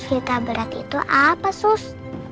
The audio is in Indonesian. kita berat itu apa sus